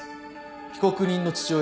被告人の父親